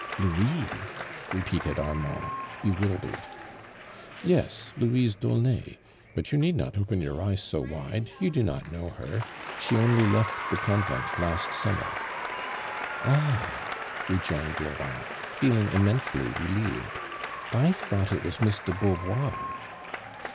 "Louise 1" repeated Annan<l, bewildered. "Yes, Louise D'Aulnay; but you nee<l not open your eyes so wide, you do not know her. She only left the < 'onvent last num mer." •' Ah 1" rejoined Durand, Iceling immense ly relieved, " I thought it was Miss de Beauvoir."